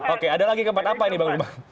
oke ada lagi keempat apa ini bang ubah